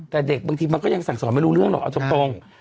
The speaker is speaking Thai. แต่เด็กบางทีมันก็ยังสั่งสอนไม่รู้เรื่องหรอกเอาตรง